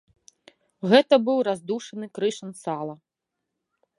Гэта быў раздушаны крышан сала.